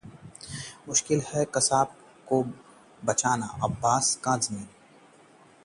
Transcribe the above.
मुश्किल है कसाब को बचाना: अब्बास काजमी